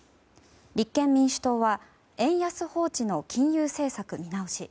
立憲民主党は円安放置の金融政策見直し。